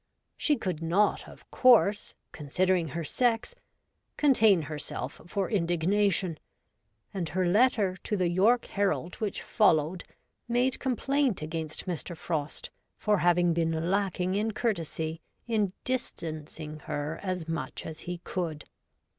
She could not, of course, consider ing her sex, contain herself for indignation, and her letter to the York Herald which followed made complaint against Mr. Frost for having been lacking in courtesy in ' distancing her as much as he could.'